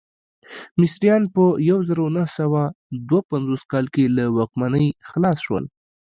مصریان په یو زرو نهه سوه دوه پنځوس کال کې له واکمنۍ خلاص شول.